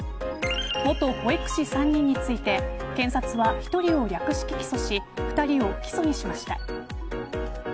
元保育士３人について検察は１人を略式起訴し２人を不起訴にしました。